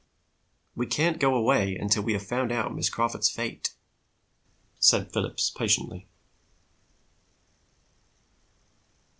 "We can't go away until we have found out Miss Crawford's fate," said Phillips patiently.